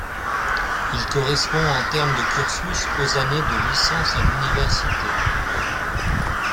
Il correspond en termes de cursus aux années de licence à l'université.